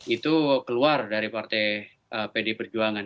itu keluar dari partai pd perjuangan